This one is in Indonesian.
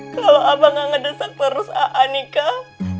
kalau abang gak ngedesak terus ⁇ aa nikah